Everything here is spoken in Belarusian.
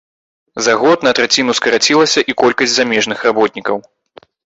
За год на траціну скарацілася і колькасць замежных работнікаў.